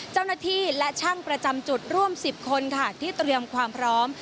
เจ้าหน้าที่และช่างประจำจุดร่วม๑๐คนค่ะที่เตรียมความพร้อม